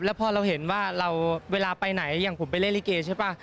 แล้วพอเราเห็นว่าเราเวลาไปไหนอย่างผมไปเล่นลิเกใช่ป่ะ